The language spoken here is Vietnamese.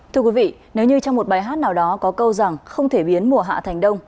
thưa quý vị nếu như trong một bài hát nào đó có câu rằng không thể biến mùa hạ thành đông